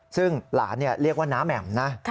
ซึ่งหลานเรียกว่าน้าแหม่มนะ